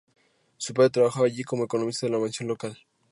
Su padre trabajaba allí como economista en la mansión local.